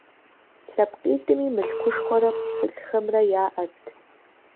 ЛъэпкъитӀми мылъкушхуэрэ пщылӀхэмрэ яӀэт.